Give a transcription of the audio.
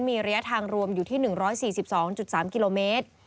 มีระยะทางรวมอยู่ที่๑๔๒๓กิโลเมตร